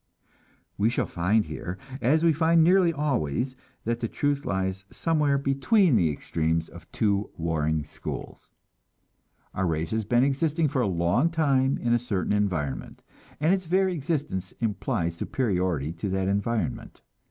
We shall find here, as we find nearly always, that the truth lies somewhere between the extremes of two warring schools. Our race has been existing for a long time in a certain environment, and its very existence implies superiority to that environment.